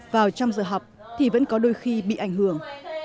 vào trong giờ học thì vẫn có đôi khi bị ảnh hưởng